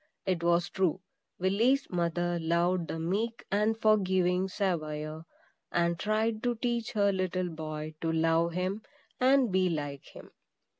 It was true, Willy's mother loved the meek and forgiving Saviour, and tried to teach her little boy to love him and be like him.